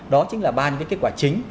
đó chính là ba những cái kết quả chính